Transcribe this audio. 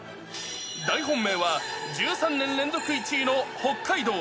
大本命は、１３年連続１位の北海道。